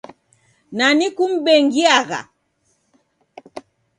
Nani kum'beng'iagha?